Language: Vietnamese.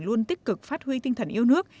luôn tích cực phát huy tinh thần yêu nước